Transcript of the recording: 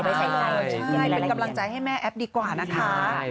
ใช่เป็นกำลังใจให้แม่แอ๊บดีกว่านะคะ